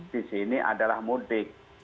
di sini adalah mudik